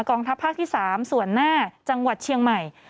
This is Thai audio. กองทัพภาคที่๓ส่วนหน้าจังหวัดเชียงใหม่